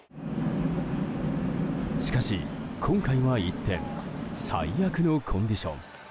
しかし、今回は一転最悪のコンディション。